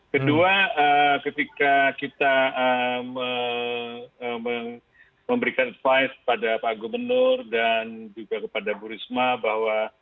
kedua ketika kita memberikan advice pada pak gubernur dan juga kepada bu risma bahwa